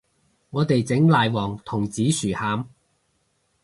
我哋整奶黃同紫薯餡